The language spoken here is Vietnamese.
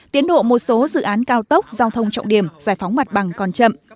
tiến độ một số dự án cao tốc giao thông trọng điểm giải phóng mặt bằng còn chậm